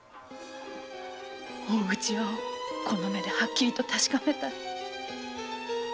大口屋をこの目ではっきり確かめたい。